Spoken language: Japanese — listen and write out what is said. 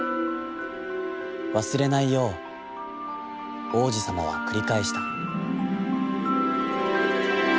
忘れないよう、王子さまはくり返した」。